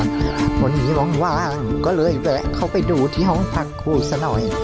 วันนี้ว่างก็เลยแวะเข้าไปดูที่ห้องพักครูซะหน่อย